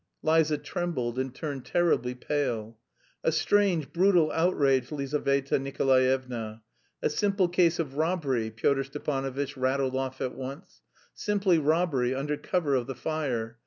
Liza trembled and turned terribly pale. "A strange brutal outrage, Lizaveta Nikolaevna. A simple case of robbery," Pyotr Stepanovitch rattled off at once "Simply robbery, under cover of the fire.